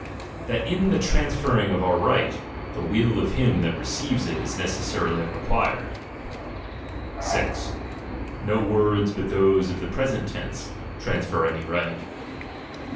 That in the transferring of our right, the will of him that receives it is necessarily required. 6 No ■words but those of tbe present tense, transfer any right.